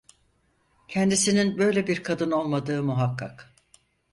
Kendisinin böyle bir kadın olmadığı muhakkak…